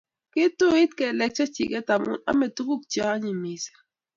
kotuit kelek chechik amun ame tunguk che anyiny mising